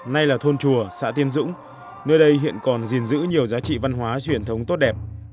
nay là thôn chùa xã tiên dũng nơi đây hiện còn gìn giữ nhiều giá trị văn hóa truyền thống tốt đẹp